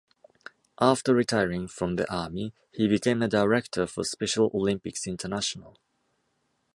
After retiring from the Army, he became a director for Special Olympics International.